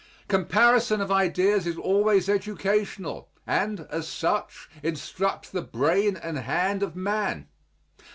Comparison of ideas is always educational and, as such, instructs the brain and hand of man.